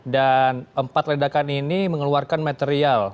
dan empat ledakan ini mengeluarkan material